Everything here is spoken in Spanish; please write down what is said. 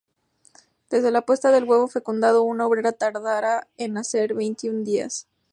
Desde la puesta del huevo fecundado, una obrera tardará en nacer veintiún días.